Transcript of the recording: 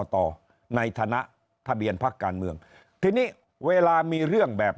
ต่อในฐานะทะเบียนพักการเมืองทีนี้เวลามีเรื่องแบบ